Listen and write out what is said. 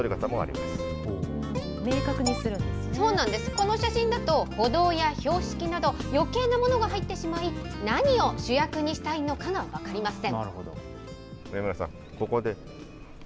この写真だと、歩道や標識など、余計なものが入ってしまい、何を主役にしたいのかが分かりません。